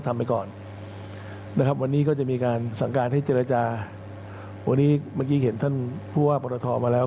ถ้าเวลาประชาชนพอดีกว่าเราจะทำตัวทางนี้มาไหมแล้วก็แบบนี้สำหรับเรา